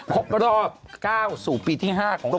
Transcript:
ครบรอบ๙สู่ปีที่๕ของข่าวใส่ไข่ก่อน